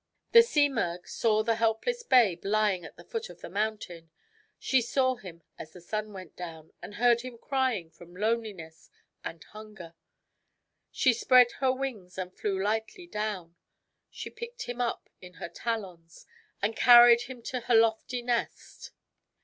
The Simurgh saw the helpless babe lying at the foot of the mountain. She saw him as the sun went down, and heard him crying from loneliness and hun ger. She spread her wings and flew lightly down. She picked him up in her talons, and carried him to her lofty nest.